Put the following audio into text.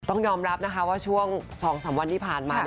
ต้องยอมรับนะคะว่าช่วง๒๓วันที่ผ่านมา